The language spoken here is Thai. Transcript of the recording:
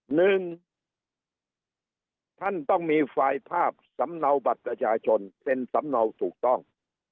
หนึ่งท่านต้องมีไฟล์ภาพสำเนาบัตรประชาชนเซ็นสำเนาถูกต้อง